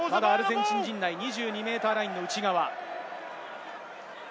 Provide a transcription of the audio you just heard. ただアルゼンチン陣内、２２ｍラインの内側。